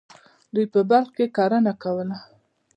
دوی په بلخ کې کرنه کوله.